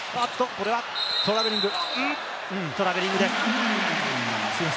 これはトラベリングです。